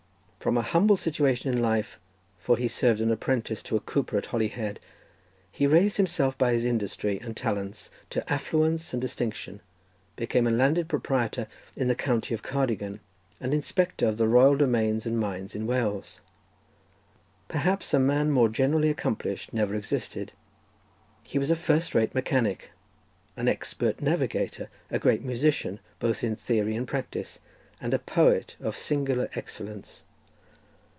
From a humble situation in life, for he served an apprenticeship to a cooper at Holyhead, he raised himself by his industry and talents to affluence and distinction, became a landed proprietor in the county of Cardigan, and inspector of the royal domains and mines in Wales. Perhaps a man more generally accomplished never existed; he was a first rate mechanic, an expert navigator, a great musician, both in theory and practice, and a poet of singular excellence.